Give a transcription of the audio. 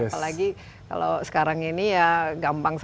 apalagi kalau sekarang ini ya gampang